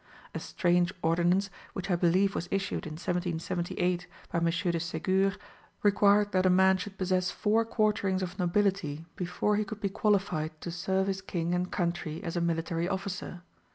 A strange Ordinance, which I believe was issued in 1778 by M. de Segur, required that a man should possess four quarterings of nobility before he could be qualified to serve his king and country as a military officer.